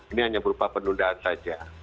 ini hanya berupa penundaan saja